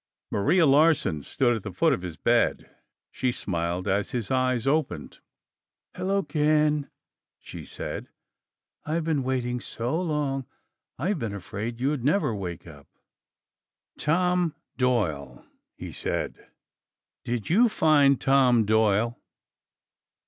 Maria Larsen stood at the foot of his bed. She smiled as his eyes opened. "Hello, Ken," she said. "I've been waiting so long. I've been afraid you'd never wake up." "Tom Doyle," he said. "Did you find Tom Doyle?"